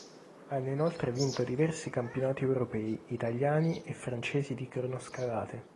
Hanno inoltre vinto diversi campionati europei, italiani e francesi di cronoscalate.